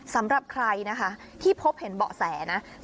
สำหรับใครนะคะที่พบเห็นเบาะแสนะ